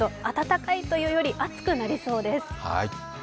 暖かいというより暑くなりそうです。